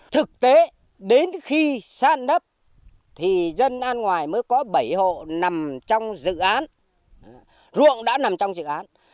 thực tế đến khi san nấp thì dân an ngoài mới có bảy hộ nằm trong dự án ruộng đã nằm trong dự án